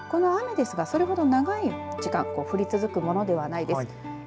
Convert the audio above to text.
この雨ですがそれほど長い時間降り続くものではないです。